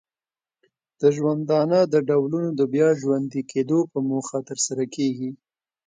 د ژوندانه د ډولونو د بیا ژوندې کیدو په موخه ترسره کیږي.